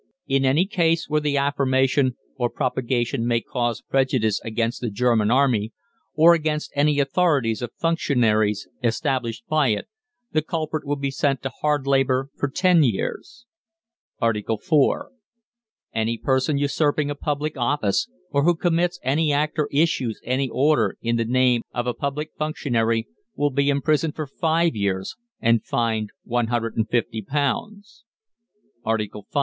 In any case where the affirmation or propagation may cause prejudice against the German Army, or against any authorities or functionaries established by it, the culprit will be sent to hard labour for ten years. ARTICLE IV. Any person usurping a public office, or who commits any act or issues any order in the name of a public functionary, will be imprisoned for five years, and fined £150. ARTICLE V.